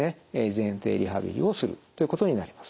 前庭リハビリをするということになります。